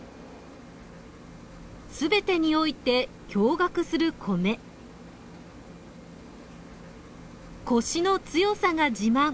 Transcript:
「全てにおいて“驚愕”する米」「コシの強さが自慢！」